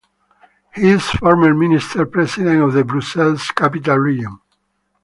He is a former Minister-President of the Brussels Capital-Region.